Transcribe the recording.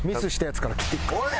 おい！